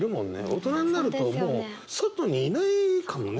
大人になるともう外にいないかもね